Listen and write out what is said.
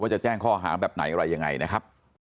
จะแจ้งข้อหาแบบไหนอะไรยังไงนะครับ